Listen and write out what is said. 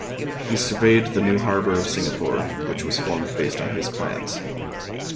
He surveyed the new harbour of Singapore, which was formed based on his plans.